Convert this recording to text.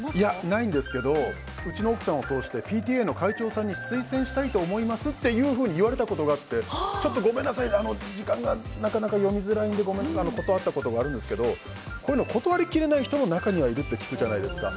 ないんですけどうちの奥さんを通してＰＴＡの会長さんに推薦したいと思いますって言われたことがあってちょっとごめんなさい時間がなかなか読みづらいのでごめんなさいって断ったことがあるんですけどこういうの断り切れない人も中にはいるって聞くじゃないですか。